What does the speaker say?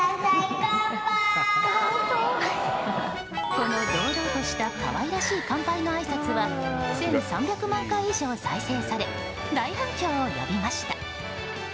この堂々とした可愛らしい乾杯のあいさつは１３００万回以上再生され大反響を呼びました。